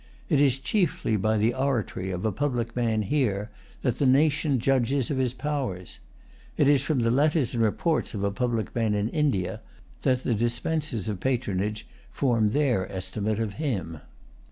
It is chiefly by the oratory of a public man here that the nation judges of his powers. It is from the letters and reports of a public man in India that the dispensers of patronage form their estimate of him.